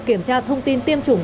kiểm tra thông tin tiêm chủng